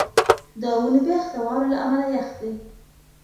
د ونې بېخ د واورې له امله یخ دی.